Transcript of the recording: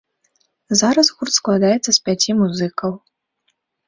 Зараз гурт складаецца з пяці музыкаў.